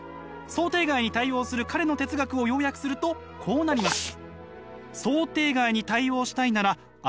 想定外に対応する彼の哲学を要約するとこうなります。